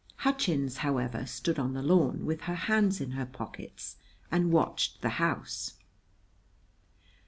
Hutchins, however, stood on the lawn, with her hands in her pockets, and watched the house.